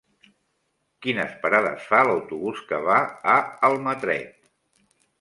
Quines parades fa l'autobús que va a Almatret?